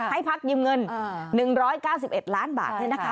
ให้พักยืมเงิน๑๙๑ล้านบาท